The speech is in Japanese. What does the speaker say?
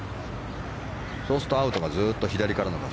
そうするとアウトがずっと左からの風。